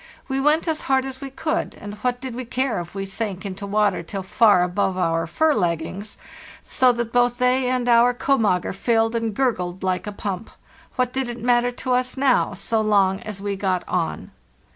We went as hard as we could, and what did we care if we sank into water till far above our fur leggings, so that both they and our 'komager' filled and gurgled like a pump? What did it matter to us now, so long as we got on?